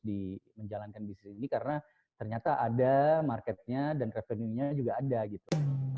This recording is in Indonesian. di menjalankan bisnis ini karena ternyata ada marketnya dan revenue nya juga ada gitu